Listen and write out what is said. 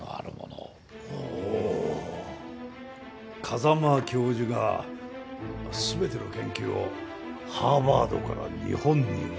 風間教授が全ての研究をハーバードから日本に移されるそうです。